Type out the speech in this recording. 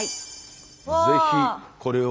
ぜひこれを。